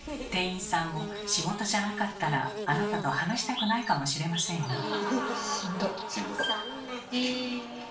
店員さんも仕事じゃなかったらあなたと話したくないかもしれませんよ。